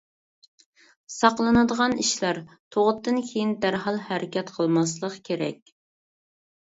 ساقلىنىدىغان ئىشلار: تۇغۇتتىن كېيىن دەرھال ھەرىكەت قىلماسلىق كېرەك.